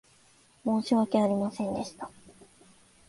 申し訳ありませんでした。